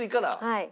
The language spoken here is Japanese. はい。